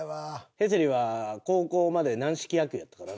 平世理は高校まで軟式野球やったからな。